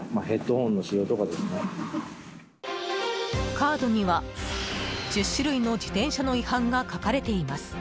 カードには、１０種類の自転車の違反が書かれています。